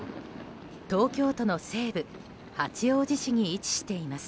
東京都の西部八王子市に位置しています。